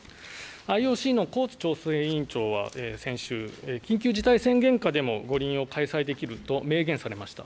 ＩＯＣのコーツ調整委員長は先週、緊急事態宣言下でも五輪を開催できると明言されました。